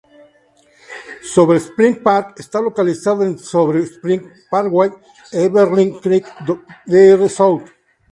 Sabre Springs Park está localizado en Sabre Springs Parkway y Evening Creek Dr. South.